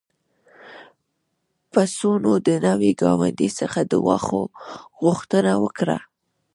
پسونو د نوي ګاونډي څخه د واښو غوښتنه وکړه.